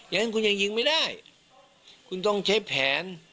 งั้นคุณยังยิงไม่ได้คุณต้องใช้แผน